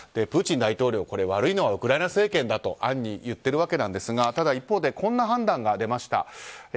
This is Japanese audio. プーチン大統領これ、悪いのはウクライナ政権だと暗に言っているんですがただ一方でこんな判断が出ました。